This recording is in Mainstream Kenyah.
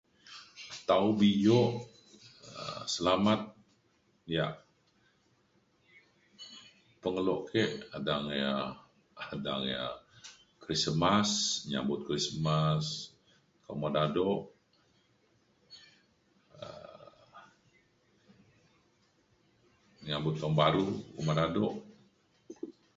Tau bio um selamat yak pengelo ke adang ia’ adang ia’ Krismas nyambut Krismas kak uma dado um nyambut tahun baru uma dado.